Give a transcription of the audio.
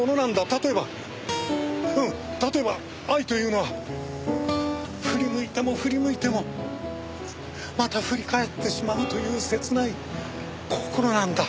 例えばうん例えば愛というのは振り向いても振り向いてもまた振り返ってしまうという切ない心なんだ。